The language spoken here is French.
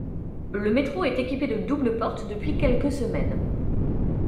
Le métro est équipé de doubles portes depuis quelques semaines.